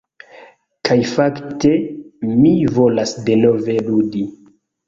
Kaj fakte, mi volas denove ludi!